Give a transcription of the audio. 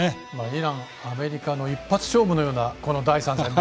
イラン、アメリカの一発勝負のような、この第３戦。